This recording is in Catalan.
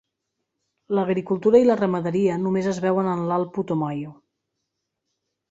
L'agricultura i la ramaderia només es veuen en l'alt Putumayo.